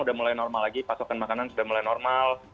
sudah mulai normal lagi pasokan makanan sudah mulai normal